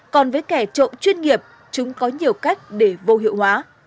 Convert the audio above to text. còn với kẻ trộm chuyên nghiệp chúng có nhiều cách để vô hiệu hóa